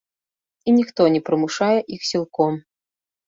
І ніхто не прымушае іх сілком.